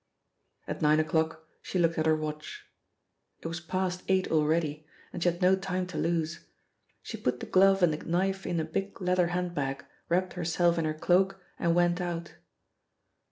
At nine o'clock, she looked at her watch. It was past eight already, and she had no time to lose. She put the glove and the knife in a big leather hand bag, wrapped herself in her cloak, and went out.